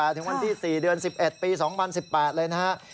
ถึงวันที่๔เดือน๑๑ปี๒๐๑๘เลยนะครับ